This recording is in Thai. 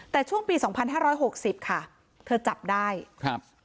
แต่ช่วงปีสองพันห้าร้อยหกสิบค่ะเธอจับได้ครับ